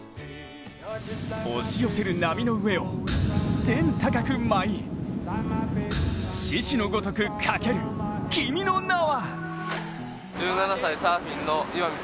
押し寄せる波の上を天高く舞い、獅子のごとくかける、君の名は。